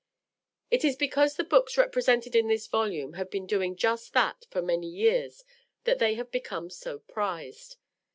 It is because the books represented in this volume have been doing just that for many years that they have become so prized.